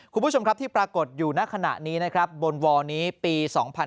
คุณผู้ชมครับที่ปรากฏอยู่ในขณะนี้นะครับบนวอลนี้ปี๒๕๕๙